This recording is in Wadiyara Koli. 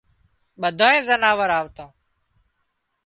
ٻڌانئي زناور آوتان